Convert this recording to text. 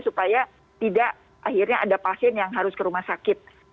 supaya tidak akhirnya ada pasien yang harus ke rumah sakit